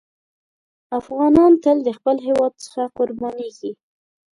افغانان تل د خپل هېواد څخه قربانېږي.